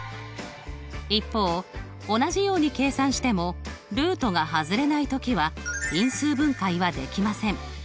一方同じように計算してもルートが外れない時は因数分解はできません。